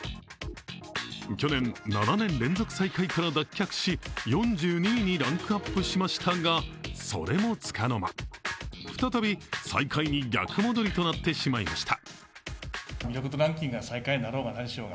去年、７年連続最下位から脱却し４２位にランクアップしましたがそれもつかの間、再び最下位に逆戻りとなってしまいました。